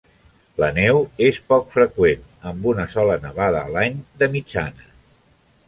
La neu és poc freqüent, amb una sola nevada a l'any, de mitjana.